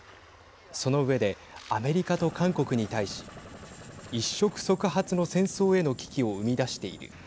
その上で、アメリカと韓国に対し一触即発の戦争への危機を生み出している。